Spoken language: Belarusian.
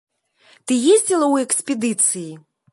Ты ездзіла ў экспедыцыі?